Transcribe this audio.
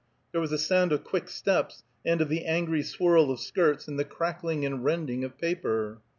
There was a sound of quick steps, and of the angry swirl of skirts, and the crackling and rending of paper.